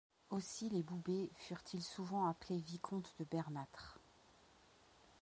Aussi les Boubers furent-ils souvent appelés vicomtes de Bernâtre.